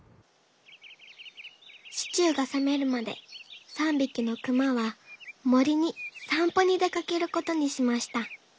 シチューがさめるまで３びきのくまはもりにさんぽにでかけることにしました。